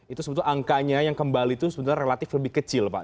itu sebetulnya angkanya yang kembali itu sebenarnya relatif lebih kecil pak